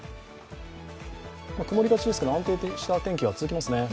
曇りがちですけれども、安定した天気が続きますね。